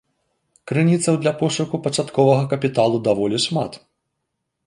Крыніцаў для пошуку пачатковага капіталу даволі шмат.